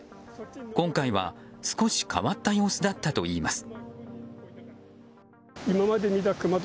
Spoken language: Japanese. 今回は少し変わった様子だったといいます。